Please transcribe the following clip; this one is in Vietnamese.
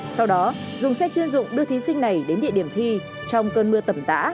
sau đó dùng xe chuyên dụng đưa thí sinh này đến địa điểm thi trong cơn mưa tẩm tã